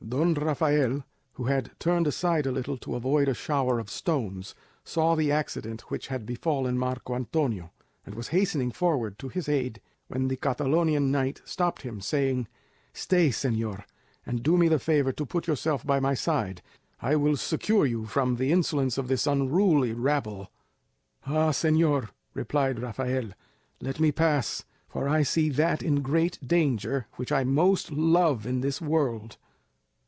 Don Rafael, who had turned aside a little to avoid a shower of stones, saw the accident which had befallen Marco Antonio, and was hastening forward to his aid, when the Catalonian knight stopped him, saying, "Stay, señor, and do me the favour to put yourself by my side. I will secure you from the insolence of this unruly rabble." "Ah, señor!" replied Rafael, "let me pass, for I see that in great danger which I most love in this world."